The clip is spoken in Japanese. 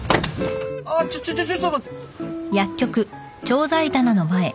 あちょちょちょっと待って。